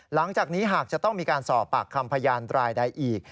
หลังจากนี้หากจะต้องมีการสอบปากคำพยานรายใดอีก